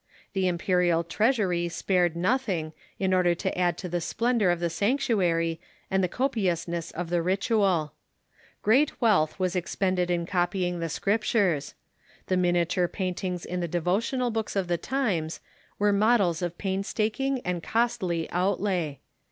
The imperial treasury spared nothing, in order to add to the splendor of the sanctuary and the copiousness of the ritual. Great wealth was THE WRITEKS OF THE TIMES 137 expended in copying the Scriptures. The miniature paint ings in the devotional books of the times were models of pains taking and costly outlay.